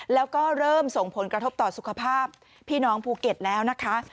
แล้วก็เริ่มส่งผลกระทบต่อสุขภาพพี่น้องภูเก็ตแล้วนะคะ